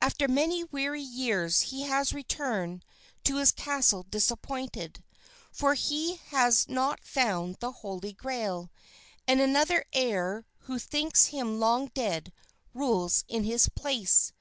After many weary years he has returned to his castle disappointed, for he has not found the Holy Grail, and another heir who thinks him long dead rules in his place.